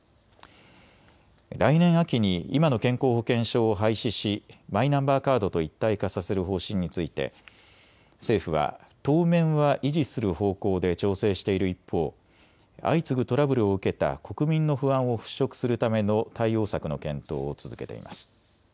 来年秋に今の健康保険証を廃止しマイナンバーカードと一体化させる方針について政府は当面は維持する方向で調整している一方、相次ぐトラブルを受けた国民の不安を払拭するための対応策の検討を続けています。